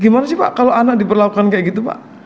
gimana sih pak kalau anak diperlakukan kayak gitu pak